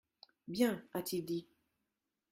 «Bien, a-t-il dit.